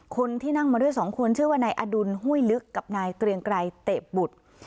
คนที่นั่งมาด้วยสองคนชื่อว่านายอดุลห้วยลึกกับนายเกรียงไกรเตะบุตร